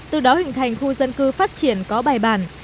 từ đó hình thành khu dân cư phát triển có bài bàn